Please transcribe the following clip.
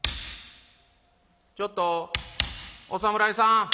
「ちょっとお侍さん。